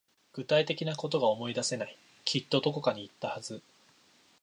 具体的なことが思い出せない。きっとどこかに行ったはず。